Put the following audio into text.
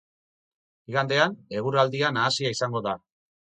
Igandean, eguraldia nahasia izango da.